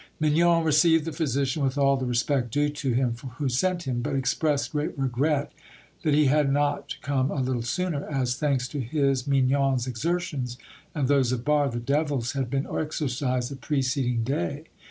Mignon received the physician with all the respect due to him who sent him, but expressed great regret that he had not come a little sooner, as, thanks to his (Mignon's) exertions and those of Barre, the devils had been exorcised the preceding day.